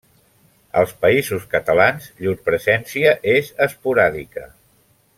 Als Països Catalans llur presència és esporàdica.